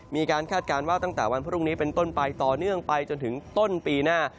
คาดการณ์ว่าตั้งแต่วันพรุ่งนี้เป็นต้นไปต่อเนื่องไปจนถึงต้นปีหน้า